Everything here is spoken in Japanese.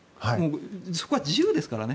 そこは自由ですからね。